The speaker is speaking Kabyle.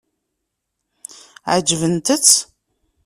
Ɛeǧbent-tt?